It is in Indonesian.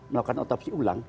melakukan otopsi ulang